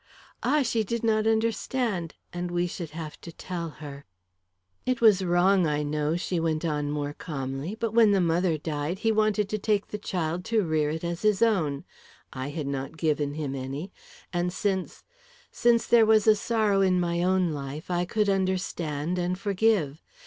Ah, she did not understand, and we should have to tell her! "It was wrong, I know," she went on, more calmly. "But when the mother died, he wanted to take the child to rear it as his own I had not given him any and since since there was a sorrow in my own life, I could understand and forgive.